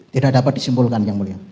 tidak dapat disimpulkan yang mulia